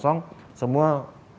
dan semua peserta